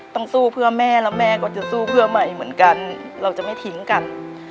ต้องสู้เพื่อแม่แล้วแม่ก็จะสู้เพื่อใหม่เหมือนกันเราจะไม่ทิ้งกัน